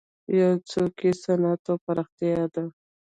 یو څرک یې صنعت او پراختیا ده.